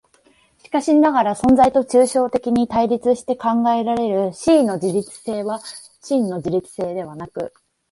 しかしながら存在と抽象的に対立して考えられる思惟の自律性は真の自律性でなく、